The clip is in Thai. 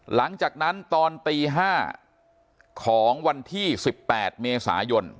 หลังจากนั้นตอนตี๕ของวันที่๑๘เมษายน